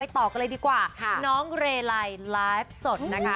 ไปต่อกล่ะเลยดีกว่าน้องเรไรแรมสดนะคะ